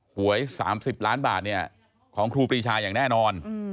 หวย๓๐ล้านบาทของครูปรีชาอย่างแน่นอน